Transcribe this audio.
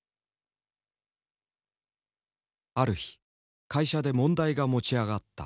ある日会社で問題が持ち上がった。